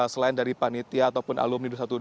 selain dari panitia ataupun alumni dua ratus dua belas